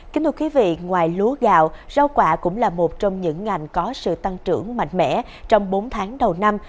kính thưa quý vị ngoài lúa gạo rau quả cũng là một trong những ngành có sự tăng trưởng mạnh mẽ trong bốn tháng đầu năm